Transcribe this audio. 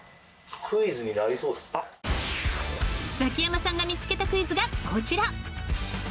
ザキヤマさんが見付けたクイズがこちら。